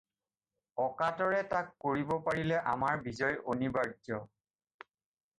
অকাতৰে তাক কৰিব পাৰিলে আমাৰ বিজয় অনিবাৰ্য